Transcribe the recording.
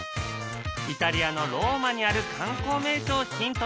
イタリアのローマにある観光名所をヒントに作った。